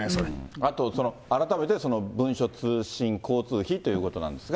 あと、改めてその、文書通信交通費ということなんですが。